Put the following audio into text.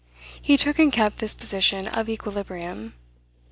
He took and kept this position of equilibrium.